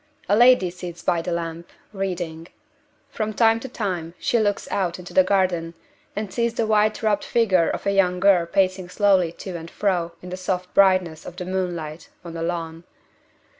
A lady sits by the lamp, reading. From time to time she looks out into the garden, and sees the white robed figure of a young girl pacing slowly to and fro in the soft brightness of the moonlight on the lawn.